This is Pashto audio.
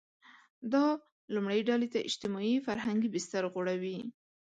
دا لومړۍ ډلې ته اجتماعي – فرهنګي بستر غوړوي.